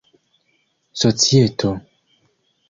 societo